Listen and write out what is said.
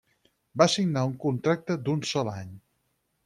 Va signar un contracte d'un sol any.